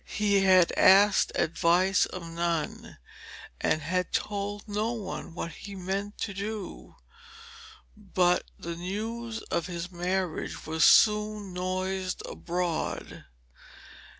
He had asked advice of none, and had told no one what he meant to do, but the news of his marriage was soon noised abroad.